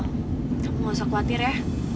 itu nggak usah khawatir ya